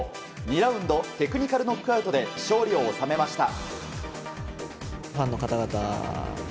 ２ラウンドテクニカルノックアウトで勝利を収めました。